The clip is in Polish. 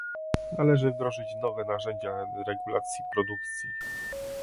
Należy wdrożyć nowe narzędzia regulacji produkcji